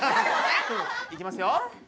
いきますよ。